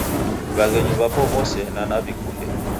W'aghenyu w'apo w'ose na naw'ikunde